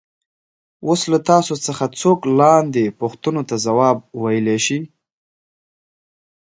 اوس له تاسو څخه څوک لاندې پوښتنو ته ځواب ویلای شي.